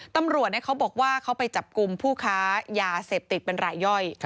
ตำรวจเขาบอกว่าเขาไปจับกลุ่มผู้ค้ายาเสพติดเป็นรายย่อย